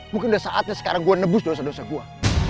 mungkin udah saatnya sekarang gue nebus dosa dosa gue